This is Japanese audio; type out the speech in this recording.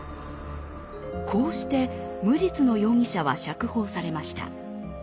こうして無実の容疑者は釈放されました。